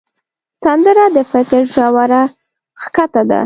سندره د فکر ژوره ښکته ده